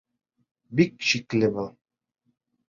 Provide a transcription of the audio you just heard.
Бик шикле был.